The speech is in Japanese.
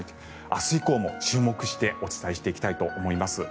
明日以降も注目してお伝えしていきたいと思います。